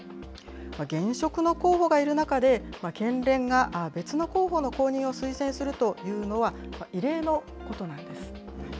現職の候補がいる中で、県連が別の候補の公認を推薦するというのは、異例のことなんです。